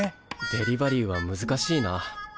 デリバリーは難しいな。